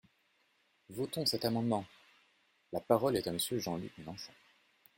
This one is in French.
Votons cet amendement ! La parole est à Monsieur Jean-Luc Mélenchon.